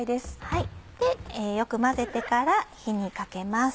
よく混ぜてから火にかけます。